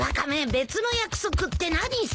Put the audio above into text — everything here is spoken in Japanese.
別の約束って何さ。